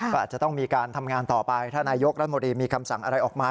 ก็อาจจะต้องมีการทำงานต่อไปถ้านายกรัฐมนตรีมีคำสั่งอะไรออกมา